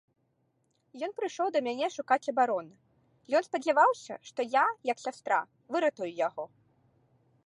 Ён прыйшоў да мяне шукаць абароны, ён спадзяваўся, што я, як сястра, выратую яго.